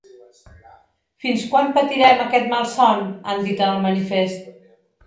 Fins quan patirem aquest malson?, han dit en el manifest.